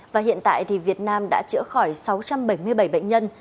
và hiện tại thì việt nam đã chữa khỏi sáu trăm bảy mươi bảy bệnh nhân